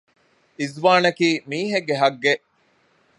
އިޒުވާނަކީ މީހެއްގެ ހައްޤެއް